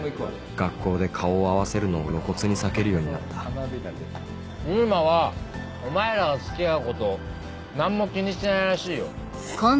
学校で顔を合わせるのを露骨に避けるようになった勇馬はお前らが付き合うことを何も気にしてないらしいよ。